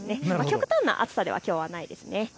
極端な暑さではきょうはないです。